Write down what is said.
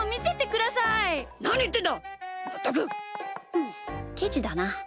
ふんケチだな。